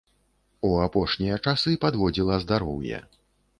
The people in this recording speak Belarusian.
У апошнія часы падводзіла здароўе.